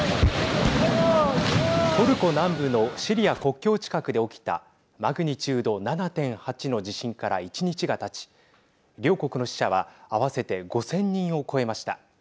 トルコ南部のシリア国境近くで起きたマグニチュード７．８の地震から１日がたち両国の死者は合わせて５０００人を超えました。